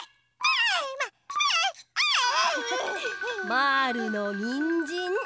まぁるのにんじん。